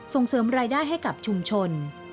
ส่งเสริมรายได้ให้กับชุมชน